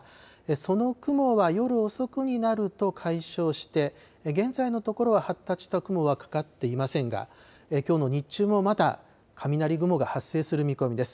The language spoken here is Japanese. その雲は夜遅くになると解消して、現在のところは発達した雲はかかっていませんが、きょうの日中もまた雷雲が発生する見込みです。